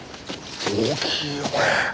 大きいよこれ。